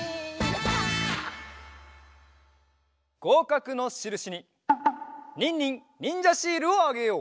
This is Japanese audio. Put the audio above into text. ごうかくのしるしにニンニンにんじゃシールをあげよう！